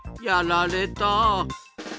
やられた。